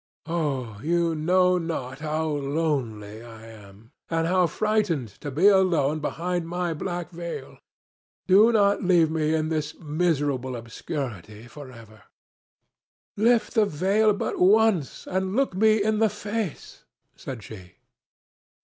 Oh, you know not how lonely I am, and how frightened to be alone behind my black veil! Do not leave me in this miserable obscurity for ever." "Lift the veil but once and look me in the face," said she.